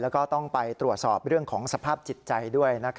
แล้วก็ต้องไปตรวจสอบเรื่องของสภาพจิตใจด้วย